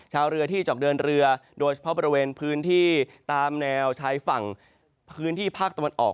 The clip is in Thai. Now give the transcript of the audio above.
ชาวเรือที่จะออกเดินเรือโดยเฉพาะบริเวณพื้นที่ตามแนวชายฝั่งพื้นที่ภาคตะวันออก